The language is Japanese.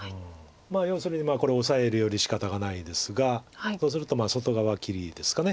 要するにこれオサえるよりしかたがないですがそうすると外側切りですか。